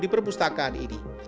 di perpustakaan ini